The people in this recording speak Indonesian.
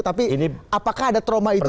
tapi apakah ada trauma itu